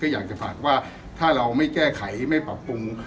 อยากจะฝากว่าถ้าเราไม่แก้ไขไม่ปรับปรุง